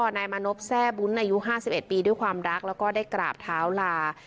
นายมานบแซ่บุ้นอายุห้าสิบเอ็ดปีด้วยความรักแล้วก็ได้กราบเท้าหลา